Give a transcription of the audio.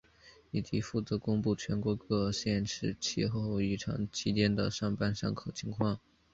以及负责公布全国各县市气候异常期间的上班上课情况。